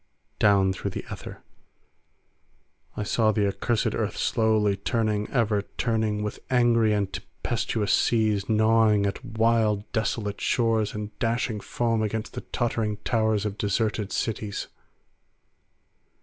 Down through the aether I saw the accursed earth slowly turning, ever turning, with angry and tempestuous seas gnawing at wild desolate shores and dashing foam against the tottering towers of deserted cities.